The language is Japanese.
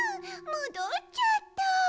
もどっちゃった！